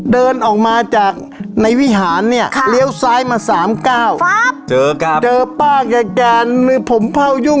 เดินออกมาจากในวิหารเนี่ยเลี้ยวซ้ายมา๓ก้าว